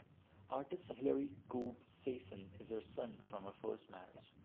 Artist Hilary Koob-Sassen is her son from her first marriage.